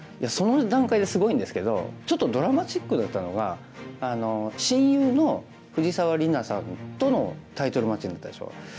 その段階ですごいんですけどちょっとドラマチックだったのが親友の藤沢里菜さんとのタイトルマッチになったでしょ。